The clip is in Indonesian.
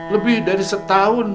lebih dari setahun